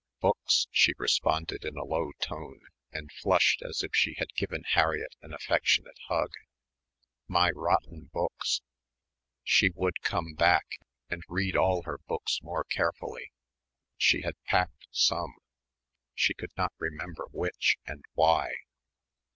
"Books!" she responded in a low tone, and flushed as if she had given Harriett an affectionate hug. "My rotten books...." She would come back, and read all her books more carefully. She had packed some. She could not remember which and why.